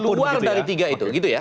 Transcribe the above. di luar dari tiga itu gitu ya